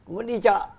muốn đi chợ